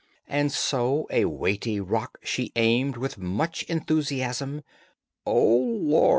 And so a weighty rock she aimed With much enthusiasm: "Oh, lor'!"